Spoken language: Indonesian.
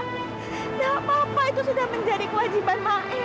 sudah apa apa itu sudah menjadi kewajiban ma'e